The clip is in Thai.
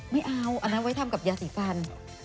ไม่เอาอันนั้นไว้ทำกับยาสีฟัน